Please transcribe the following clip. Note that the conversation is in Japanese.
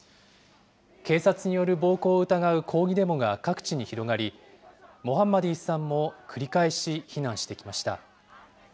警察による暴行を疑う抗議デモが各地に広がり、モハンマディさんも繰り返し非難してきました。